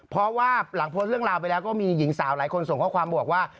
เพราะว่าหลังโพสต์เรื่องราวไปแล้วก็มีหญิงสาวหลายคนส่งข้อความบอกว่า